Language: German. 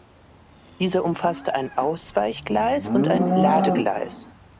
Dieser umfasste ein Ausweichgleis und ein Ladegleis.